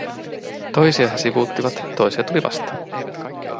Toisia he sivuuttivat, toisia tuli vastaan.